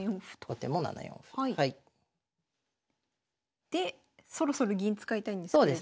後手も７四歩。でそろそろ銀使いたいんですけれども。